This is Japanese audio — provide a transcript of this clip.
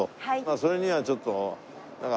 それにはちょっと。